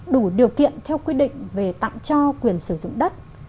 đủ điều kiện theo quy định về tặng cho quyền sử dụng đất